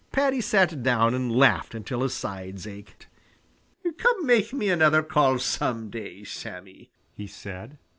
Paddy sat down and laughed until his sides ached. "Come make me another call some day, Sammy!" he said.